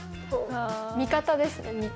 味方ですね味方。